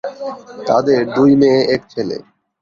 তাদের দুই মেয়ে এক ছেলে।